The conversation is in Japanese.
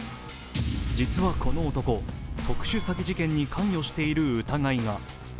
実はこの男、特殊詐欺事件に関与している疑いが。